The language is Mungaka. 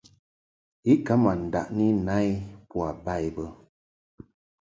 I ka ma ndaʼni na i bo ba i bə.